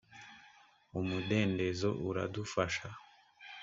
umudendezo uradufasha.